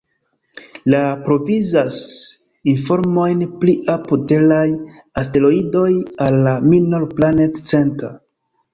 Li provizas informojn pri apud-teraj asteroidoj al la "Minor Planet Center".